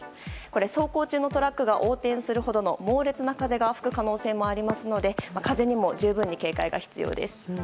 走行中のトラックが横転するほどの猛烈な風が吹く可能性もありますので風にも十分に警戒が必要です。